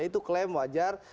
itu klaim wajar